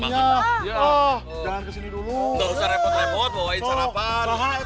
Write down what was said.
emang bener sih